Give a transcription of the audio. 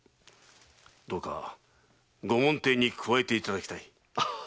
どうか御門弟に加えていただきたい。